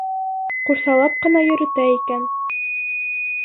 Ҡурсалап ҡына йөрөтә икән.